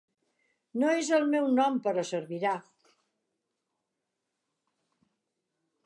No és el meu nom però servirà.